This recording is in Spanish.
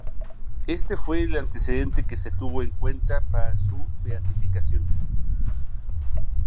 Este fue el antecedente que se tuvo en cuenta para su beatificación.